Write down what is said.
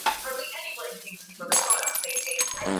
na upande ya muhamar gadaffi wa